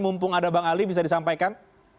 mumpung ada bang ali bisa disampaikan